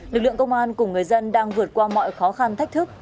lực lượng công an cùng người dân đang vượt qua mọi khó khăn thách thức